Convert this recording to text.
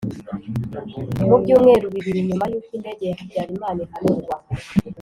Mu byumweru bibiri nyuma y’uko indege ya Habyarimana ihanurwa